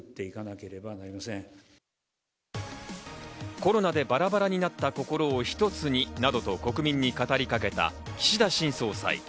コロナでバラバラになった心を一つになどと国民に語りかけた岸田新総裁。